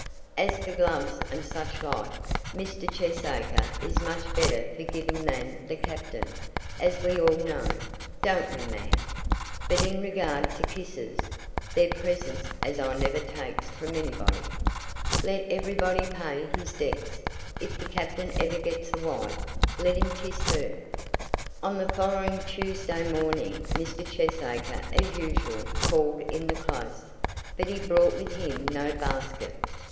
"As for gloves and such like, Mr. Cheesacre is much better for giving than the Captain; as we all know; don't we, ma'am? But in regard to kisses, they're presents as I never takes from anybody. Let everybody pay his debts. If the Captain ever gets a wife, let him kiss her." On the following Tuesday morning Mr. Cheesacre as usual called in the Close, but he brought with him no basket.